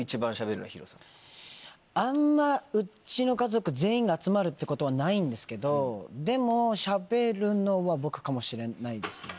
あんまうちの家族全員が集まるってことはないんですけどでも喋るのは僕かもしれないですね。